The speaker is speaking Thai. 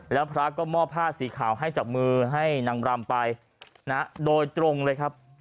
แล้วพระก็มอบผ้าสีขาวให้จากมือให้นางรำไปนะโดยตรงเลยครับ